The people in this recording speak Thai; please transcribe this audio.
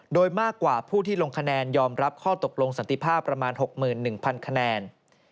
โดยมากกว่าผู้ที่ลงคะแนนยอมรับข้อตกลงสันติภาพประมาณ๖๑๐๐คะแนน